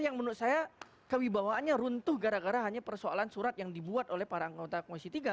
yang menurut saya kewibawaannya runtuh gara gara hanya persoalan surat yang dibuat oleh para anggota komisi tiga